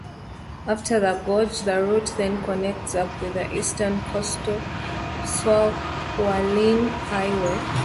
After the gorge the route then connects up with the eastern coastal Su'ao-Hualien Highway.